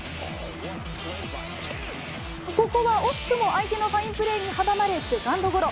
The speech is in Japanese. ここは惜しくも相手のファインプレーに阻まれセカンドゴロ。